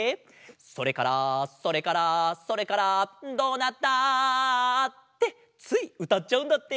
「それからそれからそれからどうなった？」ってついうたっちゃうんだって！